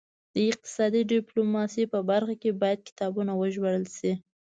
د اقتصادي ډیپلوماسي په برخه کې باید کتابونه وژباړل شي